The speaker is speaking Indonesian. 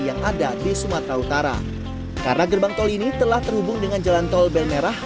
yang ada di sumatera utara karena gerbang tol ini telah terhubung dengan jalan tol belmerah